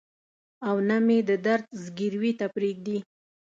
او نه مې د درد ځګروي ته پرېږدي.